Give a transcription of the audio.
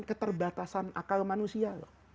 keterbatasan akal manusia